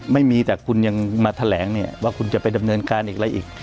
ไม่มีแต่คุณยังมาแถลงว่าคุณจะแด่มเนินการอีกและอีก